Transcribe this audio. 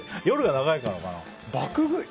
夜が長いからかな。